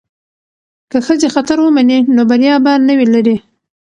که ښځې خطر ومني نو بریا به نه وي لرې.